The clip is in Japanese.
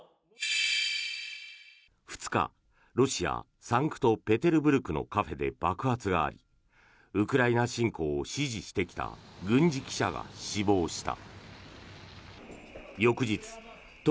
２日、ロシア・サンクトペテルブルクのカフェで爆発がありウクライナ侵攻を支持してきた軍事記者が死亡した。